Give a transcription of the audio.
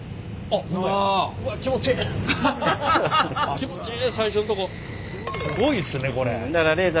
気持ちいい。